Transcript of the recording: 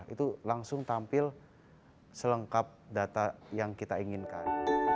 itu langsung tampil selengkap data yang kita inginkan